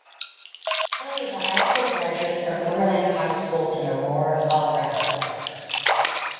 Kelly is a high school graduate from Overland High School in Aurora, Colorado.